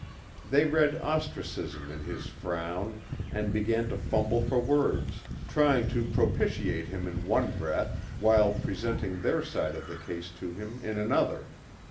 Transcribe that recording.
They read ostracism in his frown and began to fumble for words, trying to propitiate him in one breath while presenting their side of the case to him in another.